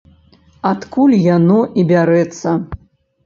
Адкуль яно і бярэцца.